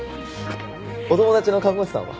お友達の看護師さんは？